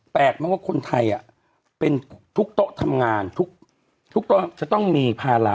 แปลกมากว่าคนไทยเป็นทุกโต๊ะทำงานทุกโต๊ะจะต้องมีภาระ